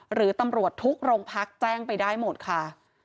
หรือตำรวจทุกโรงพักแจ้งไปได้หมดค่ะ